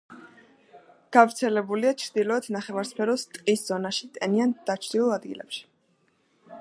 გავრცელებულია ჩრდილოეთ ნახევარსფეროს ტყის ზონაში ტენიან დაჩრდილულ ადგილებში.